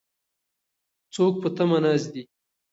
څوک په تمه ناست دي؟